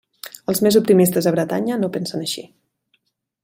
Els més optimistes a Bretanya no pensen així.